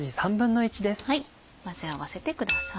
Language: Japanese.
混ぜ合わせてください。